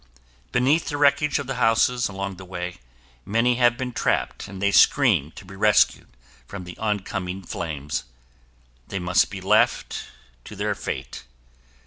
Beneath the wreckage of the houses along the way, many have been trapped and they scream to be rescued from the oncoming flames. They must be left to their fate.